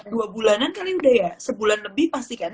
dua bulanan kali udah ya sebulan lebih pasti kan